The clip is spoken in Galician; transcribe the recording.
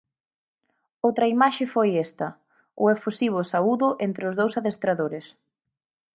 Outra imaxe foi esta: o efusivo saúdo entre os dous adestradores.